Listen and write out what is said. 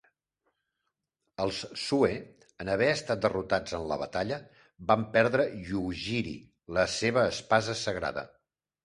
Els Sue, en haver estat derrotats en la batalla, van perdre Yugiri, la seva espasa sagrada.